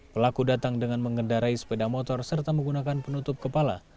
pelaku datang dengan mengendarai sepeda motor serta menggunakan penutup kepala